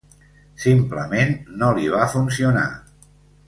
Simplement no li va funcionar.